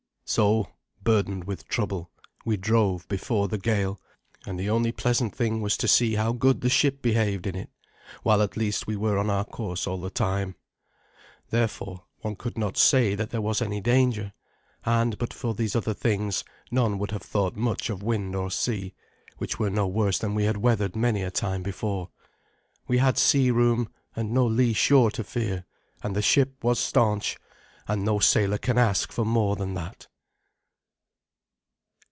So, burdened with trouble, we drove before the gale, and the only pleasant thing was to see how the good ship behaved in it, while at least we were on our course all the time. Therefore, one could not say that there was any danger; and but for these other things, none would have thought much of wind or sea, which were no worse than we had weathered many a time before. We had sea room, and no lee shore to fear, and the ship was stanch, and no sailor can ask for more than that.